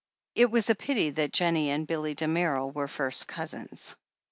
It was a pity that Jennie and Billy Damerel were first cousins.